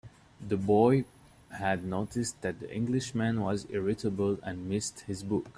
The boy had noticed that the Englishman was irritable, and missed his books.